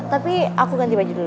tapi aku ganti baju dulu